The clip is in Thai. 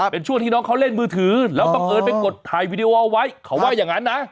เป็นช่วงที่น้องเขาเล่นมือถือแล้วบังเอิญไปกดถ่ายวีดีโอเอาไว้เขาว่าอย่างนั้นนะ